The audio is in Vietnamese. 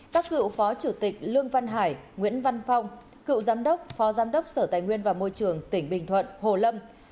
các cựu phó chủ tịch lương văn hải nguyễn văn phong cựu giám đốc phó giám đốc sở tài nguyên và môi trường tỉnh bình thuận hồ lâm